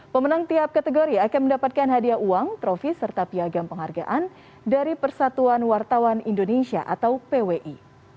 pemenang tiap kategori akan mendapatkan hadiah uang trofi serta piagam penghargaan dari persatuan wartawan indonesia atau pwi